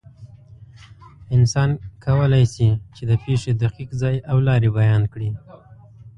انسان کولی شي، چې د پېښې دقیق ځای او لارې بیان کړي.